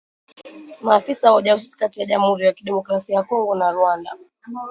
maafisa wa ujasusi kati ya jamhuri ya kidemokrasia ya Kongo na Rwanda